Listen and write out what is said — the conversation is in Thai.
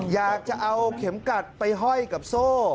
อยากจะเอาเข็มกัดไปห้อยกับโซ่